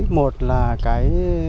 một là cái